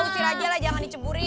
biar dia lah jangan diceburin